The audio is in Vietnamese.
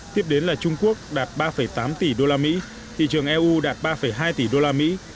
tiếp đến là trung quốc đạt ba tám tỷ đô la mỹ thị trường eu đạt ba hai tỷ đô la mỹ